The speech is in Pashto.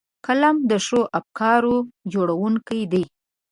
قلم د ښو افکارو جوړوونکی دی